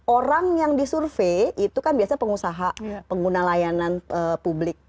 orang yang disurvey itu kan biasanya pengusaha pengguna layanan publik